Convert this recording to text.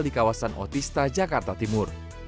di kawasan otista jakarta timur